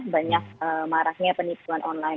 banyak maraknya penipuan online